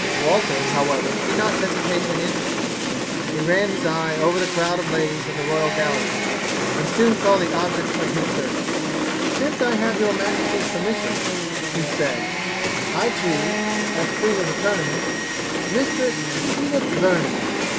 Walter, however, did not hesitate an instant. He ran his eye over the crowd of ladies in the royal gallery, and soon saw the object of his search. "Since I have your majesty's permission," he said, "I choose, as queen of the tournament, Mistress Edith Vernon."